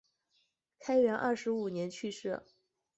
开元二十五年去世。